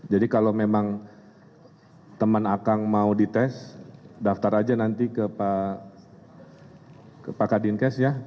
jadi kalau memang teman akang mau dites daftar aja nanti ke pak kadinkes ya